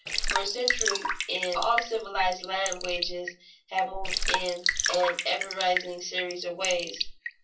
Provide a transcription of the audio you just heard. For a century in all civilized lands wages have moved in an ever rising series of waves.